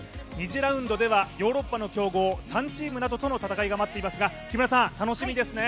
２次ラウンドではヨーロッパの強豪３チームなどとの対戦が待っていますが木村さん、楽しみですね。